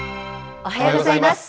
おはようございます。